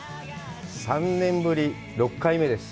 ３年ぶり、６回目です。